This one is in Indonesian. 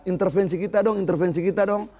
intervensi kita dong intervensi kita dong